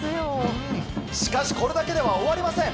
しかしこれだけでは終わりません。